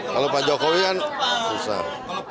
kalau pak jokowi kan susah